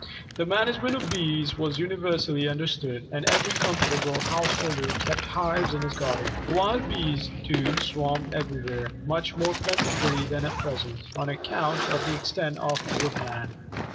The management of Bees was universally understood, and every comfortable householder kept hives in his garden. Wild bees, too, swarmed everywhere much more plentifully than at present, on account of the extent of woodland.